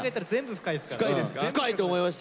深いと思いました！